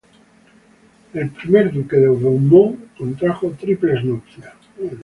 El Ier Duque de Beaumont contrajo triples nupcias.